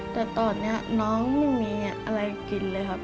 แต่ตอนนี้น้องไม่มีอะไรกินเลยครับ